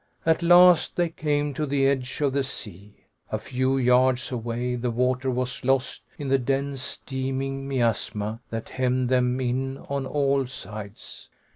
At last they came to the edge of the sea. A few yards away the water was lost in the dense steaming miasma that hemmed them in on all sides.